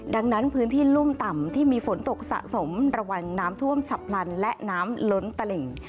ดังนั้นพื้นที่รุ่มต่ำที่มีฝนตกสะสมระวังน้ำท่วมฉับพลันและน้ำล้นตลิ่ง